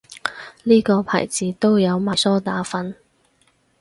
呢個牌子都有賣梳打粉